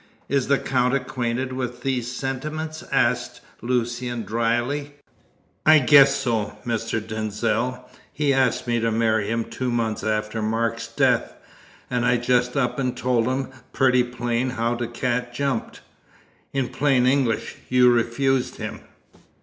"Is the Count acquainted with these sentiments?" asked Lucian drily. "I guess so, Mr. Denzil. He asked me to marry him two months after Mark's death, and I just up and told him pretty plain how the cat jumped." "In plain English, you refused him?"